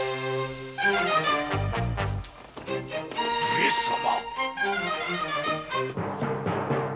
上様！